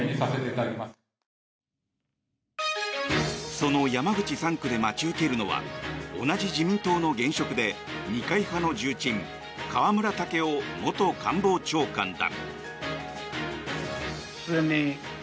その山口３区で待ち受けるのは同じ自民党の現職で二階派の重鎮河村建夫元官房長官だ。